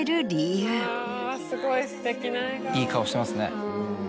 いい顔してますね。